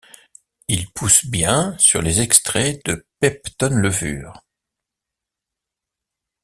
Il pousse bien sur les extraits de peptone-levure.